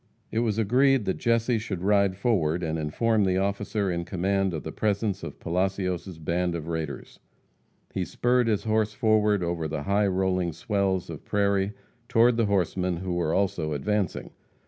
It was agreed that Jesse should ride forward and inform the officer in command of the presence of Palacios' band of raiders. He spurred his horse forward over the high rolling swells of prairie toward the horsemen, who were also advancing.